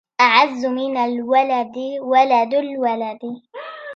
أعز من الولد ولد الولد